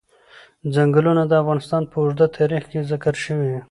ځنګلونه د افغانستان په اوږده تاریخ کې ذکر شوی دی.